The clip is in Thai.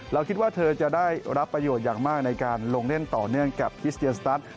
คิดว่าเธอจะได้รับประโยชน์อย่างมากในการลงเล่นต่อเนื่องกับคิสเตียนสตัส